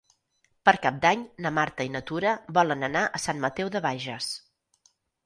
Per Cap d'Any na Marta i na Tura volen anar a Sant Mateu de Bages.